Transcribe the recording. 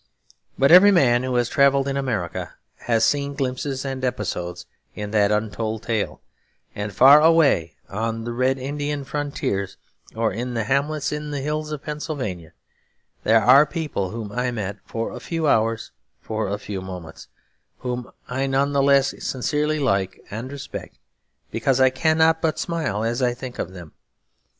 But every man who has travelled in America has seen glimpses and episodes in that untold tale; and far away on the Red Indian frontiers or in the hamlets in the hills of Pennsylvania, there are people whom I met for a few hours or for a few moments, whom I none the less sincerely like and respect because I cannot but smile as I think of them.